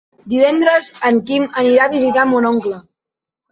Divendres en Quim anirà a visitar mon oncle.